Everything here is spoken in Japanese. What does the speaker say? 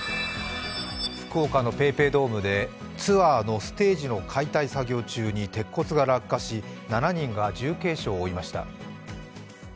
福岡のＰａｙＰａｙドームでツアーのステージの解体作業中に鉄骨が落下し７人が重軽傷を負いました。